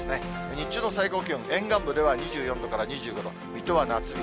日中の最高気温、沿岸部では２４度から２５度、水戸は夏日。